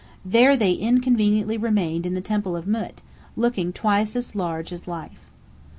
There they inconveniently remained in the Temple of Mût, looking twice as large as life.